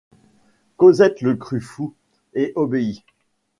Cosette le crut fou, et obéit.